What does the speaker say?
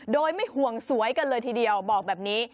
โดยไม่ห่วงสวยกันเลยทีเดียวบอกแบบนี้